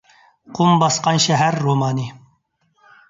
«قۇم باسقان شەھەر» رومانى